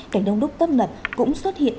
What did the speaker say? cảnh đông đúc tấp ngập cũng xuất hiện